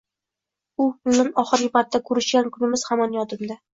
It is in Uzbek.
U bilan oxirgi marta koʻrishgan kunimiz hamon yodimda.